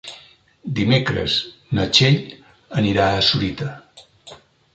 Dimecres na Txell anirà a Sorita.